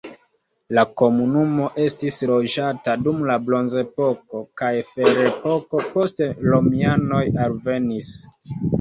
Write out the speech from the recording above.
La komunumo estis loĝata dum la bronzepoko kaj ferepoko, poste romianoj alvenis.